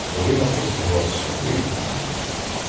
Долина простяглась сюди і туди.